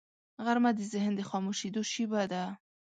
غرمه د ذهن د خاموشیدو شیبه ده